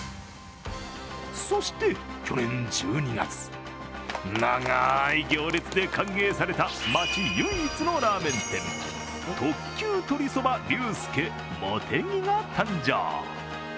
そして去年１２月、長い行列で歓迎された町唯一のラーメン店、特級鶏蕎麦龍介もてぎが誕生。